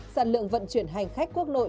sản lượng vận chuyển hành khách quốc nội